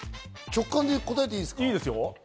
直感で答えていいですか？